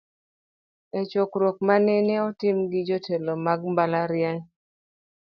E chokruok manene otim gi jotelo mag mbalariany